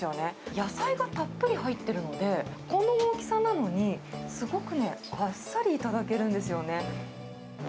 野菜がたっぷり入ってるので、この大きさなのに、すごくね、あっさり頂けるんですよね。